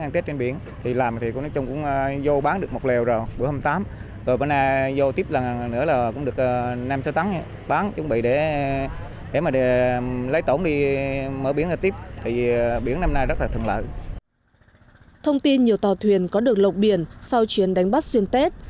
thông tin nhiều tàu thuyền có được lộng biển sau chuyến đánh bắt xuyên tết